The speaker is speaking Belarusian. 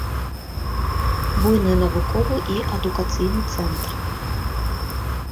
Буйны навуковы і адукацыйны цэнтр.